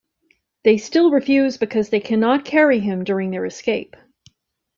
They still refuse because they cannot carry him during their escape.